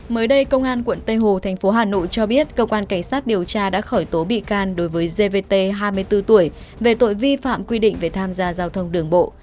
mới đây công an quận tây hồ thành phố hà nội cho biết cơ quan cảnh sát điều tra đã khởi tố bị can đối với gvt hai mươi bốn tuổi về tội vi phạm quy định về tham gia giao thông đường bộ